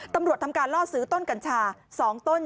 ทำการล่อซื้อต้นกัญชา๒ต้น